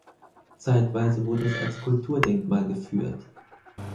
Zeitweise wurde es als Kulturdenkmal geführt.